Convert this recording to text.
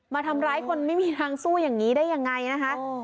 มาทำร้ายคนไม่มีทางสู้อย่างนี้ได้ยังไงนะคะ